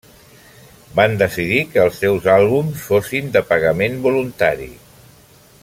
Van decidir que els seus àlbums fossin de pagament voluntari.